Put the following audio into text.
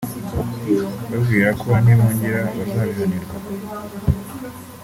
mbabwira ko nibongera bazabihanirwa